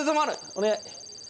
お願い！